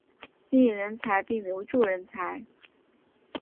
吸引人才并留住人才